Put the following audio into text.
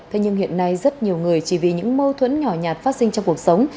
thế nhưng hiện nay rất nhiều người chỉ vì những mâu thuẫn nhỏ nhạt phát sinh trong cuộc sống